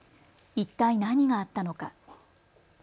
一体何があったのか。